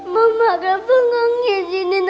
mama reva gak ngijinin abi berada di rumah sakit